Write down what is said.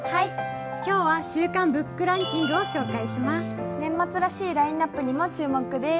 今日は「週間ＢＯＯＫランキング」を紹介します。